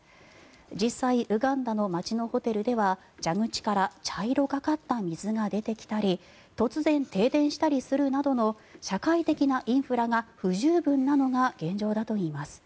実際、ウガンダの街のホテルでは蛇口から茶色がかった水が出てきたり突然、停電したりするなどの社会的なインフラが不十分なのが現状だといいます。